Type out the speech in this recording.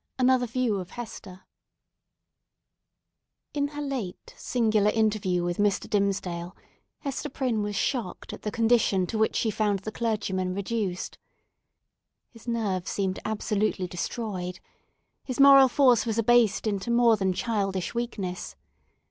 ANOTHER VIEW OF HESTER In her late singular interview with Mr. Dimmesdale, Hester Prynne was shocked at the condition to which she found the clergyman reduced. His nerve seemed absolutely destroyed. His moral force was abased into more than childish weakness.